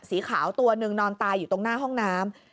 สีขาวตัวหนึ่งนอนตายอยู่ตรงหน้าห้องน้ำ